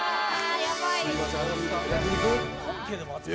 やばい！